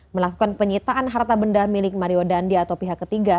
melakukan penyitaan harta benda milik mario dandi atau pihak ketiga